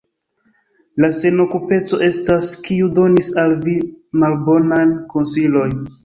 La senokupeco estas, kiu donis al vi malbonajn konsilojn.